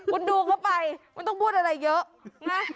คุณดูเข้าไปคุณต้องพูดอะไรเยอะนะ